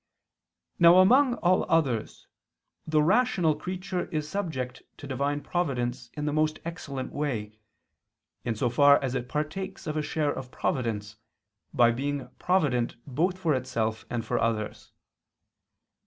Now among all others, the rational creature is subject to Divine providence in the most excellent way, in so far as it partakes of a share of providence, by being provident both for itself and for others.